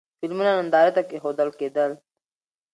فلمونه نندارې ته کېښودل کېدل.